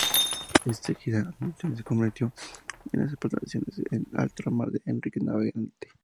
Enseguida Antonio se comprometió en las exploraciones en Ultramar de Enrique el Navegante.